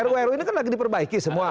ruu ruu ini kan lagi diperbaiki semua